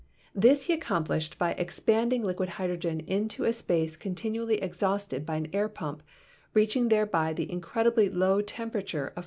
This he accomplished by THE PROPERTIES OF MATTER 33 expanding liquid hydrogen into a space continually ex hausted by an air pump, reaching thereby the incredibly low temperature of 430.